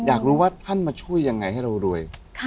อยากรู้ว่าท่านมาช่วยยังไงให้เรารวย